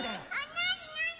なになに？